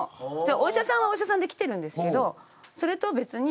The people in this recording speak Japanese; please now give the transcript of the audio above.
お医者さんはお医者さんで来てるんですけどそれとは別に。